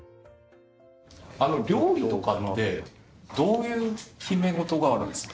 あの料理とかってどういう決め事があるんですか？